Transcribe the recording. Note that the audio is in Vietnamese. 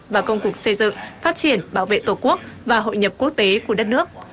và công cuộc xây dựng phát triển bảo vệ tổ quốc và hội nhập quốc tế của đất nước